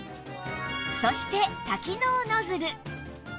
そして多機能ノズル